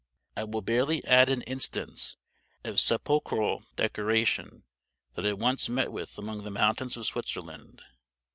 I will barely add an instance of sepulchral decoration that I once met with among the mountains of Switzerland.